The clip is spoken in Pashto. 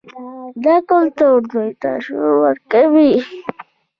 دا کلتور دوی ته شعور ورکوي.